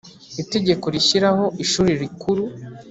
Itegeko rishyiraho Ishuri Rikuru.